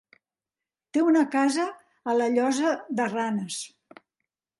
Té una casa a la Llosa de Ranes.